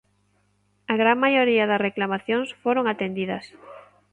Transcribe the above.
A gran maioría das reclamacións foron atendidas.